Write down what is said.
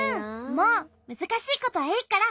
もうむずかしいことはいいから！